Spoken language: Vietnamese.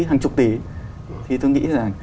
hàng chục tỷ thì tôi nghĩ rằng